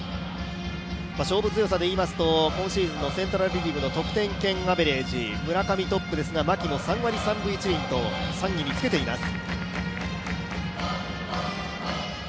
勝負強さでいいますと、今シーズンのセントラル・リーグの得点圏アベレージ、村上トップですが牧も３割３分１厘と３位につけています。